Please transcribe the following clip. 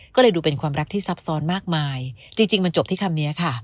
ก็เลยดูเป็นความรักที่ซับซ้อนมากมายจริงมันจบที่คำนี้ค่ะ